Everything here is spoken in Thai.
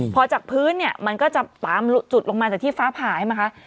พอจากพื้นมันก็จะตามจุดลงมาจากที่ฟ้าผ่าให้มา